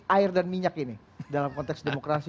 air dan minyak ini dalam konteks demokrasi